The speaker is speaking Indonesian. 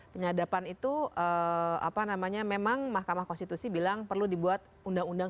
penyadapan itu apa namanya memang mahkamah konstitusi bilang perlu dibuat undang undang